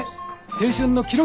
青春の記録！